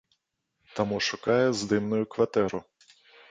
Таму шукае здымную кватэру.